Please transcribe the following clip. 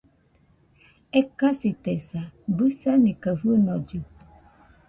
Ekasitesa, bɨsani kaɨ fɨnollɨ